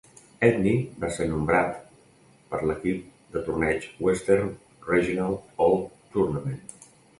Edney va ser nombrat per l'equip de torneig Western Regional All-Tournament.